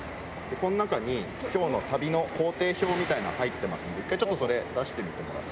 この中に今日の旅の行程表みたいなの入ってますんで一回ちょっとそれ出してみてもらって。